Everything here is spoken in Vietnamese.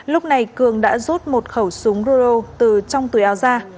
lúc này cường đã rút một khẩu súng roro từ trong túi ao ra